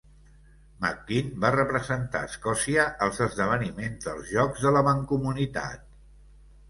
McKean va representar Escòcia als esdeveniments dels Jocs de la Mancomunitat.